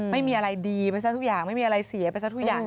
ไม่มีอะไรดีไปซะทุกอย่างไม่มีอะไรเสียไปซะทุกอย่าง